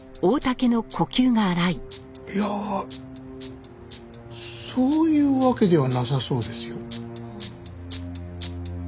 いやそういうわけではなさそうですよ。